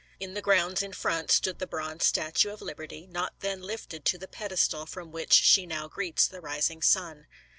In the grounds in front stood the bronze statue of Lib erty, not then lifted to the pedestal from which she now greets the rising sun.